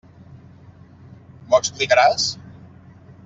M'ho explicaràs?